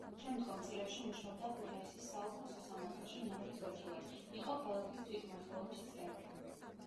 შემდგომ წლებში მუშაობდა ქუთაისის საოლქო სასამართლოში ნაფიც ვექილად; იყო ქალაქის თვითმმართველობის წევრი.